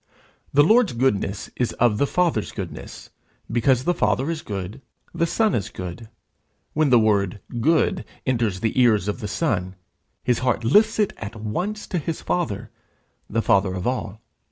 The Lord's goodness is of the Father's goodness; because the Father is good the Son is good. When the word good enters the ears of the Son, his heart lifts it at once to his Father, the Father of all.